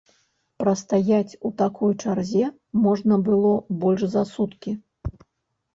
Прастаяць у такой чарзе можна было больш за суткі.